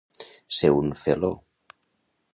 Ser un felló.